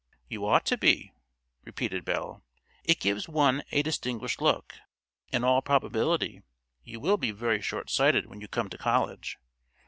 "You ought to be," repeated Belle; "it gives one a distinguished look. In all probability you will be very short sighted when you come to college.